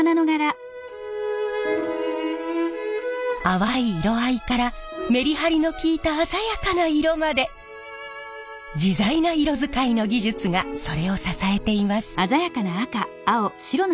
淡い色合いからメリハリの利いた鮮やかな色まで自在な色使いの技術がそれを支えています。